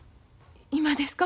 今ですか？